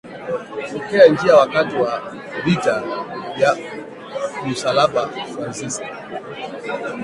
kupokea Injili Wakati wa vita vya msalaba Fransisko